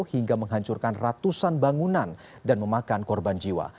hingga menghancurkan ratusan bangunan dan memakan korban jiwa